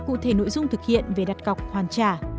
cụ thể nội dung thực hiện về đặt cọc hoàn trả